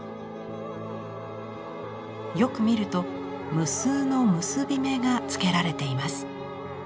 よく見ると無数の結び目がつけられています。